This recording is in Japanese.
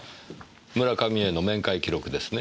村上への面会記録ですね？